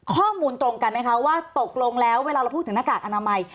ข้อมูลตรงกันไหมคะว่าตกลงแล้วเวลาเราพูดถึงหน้ากากอนามัย